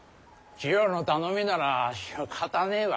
千代の頼みならしかたねえわ。